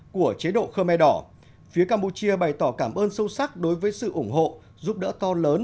của chế độ khơ me đỏ phía campuchia bày tỏ cảm ơn sâu sắc đối với sự ủng hộ giúp đỡ to lớn